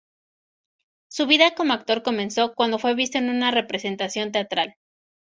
Su vida como actor empezó cuando fue visto en una representación teatral.